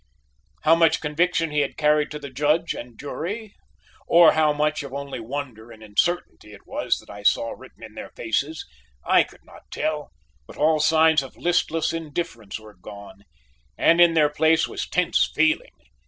How much conviction he had carried to the Judge and jury, or how much of only wonder and uncertainty it was that I saw written in their faces, I could not tell, but all signs of listless indifference were gone, and in their place was tense feeling.